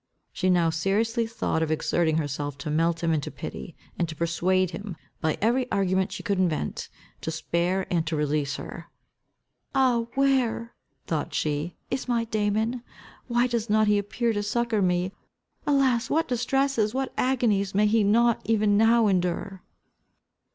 She now seriously thought of exerting herself to melt him into pity, and to persuade him, by every argument she could invent, to spare and to release her. "Ah, where," thought she, "is my Damon? Why does not he appear to succour me? Alas, what distresses, what agonies may he not even now endure!"